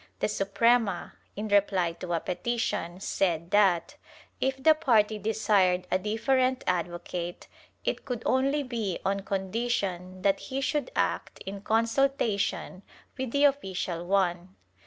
46 THE TRIAL [Book VI 1540, the Suprema, in reply to a petition, said that, if the party desired a different advocate, it could only be on condition that he should act in consultation with the official one.